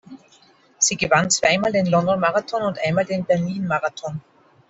Sie gewann zweimal den London-Marathon und einmal den Berlin-Marathon.